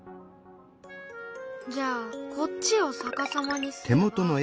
じゃあこっちを逆さまにすれば。